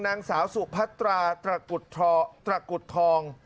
นางสาวสุพัตราตระกุฎทอง